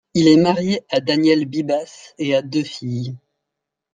Il est marié à Danièle Bibas et a deux filles.